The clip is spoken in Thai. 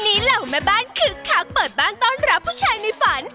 วันนี้เราแม่บ้านคือคักเปิดบ้านต้อนรับผู้ชายในฝัน